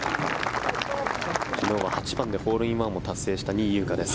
昨日は８番でホールインワンを達成した仁井優花です。